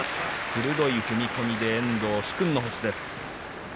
鋭い踏み込みで遠藤、殊勲の星です。